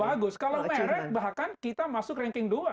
bagus kalau merek bahkan kita masuk ranking dua